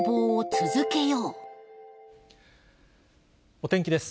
お天気です。